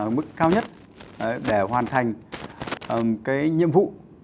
ở mức cao nhất để hoàn thành cái nhiệm vụ